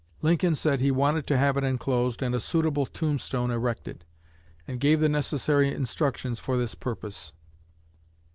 Lincoln said he wanted to 'have it enclosed, and a suitable tombstone erected,'" and gave the necessary instructions for this purpose.